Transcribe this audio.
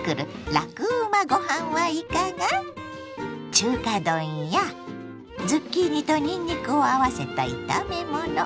中華丼やズッキーニとにんにくを合わせた炒めもの。